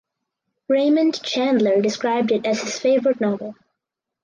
Raymond Chandler described it as his favourite novel.